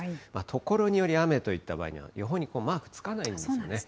所により雨といった場合には、予報にマークつかないんですよね。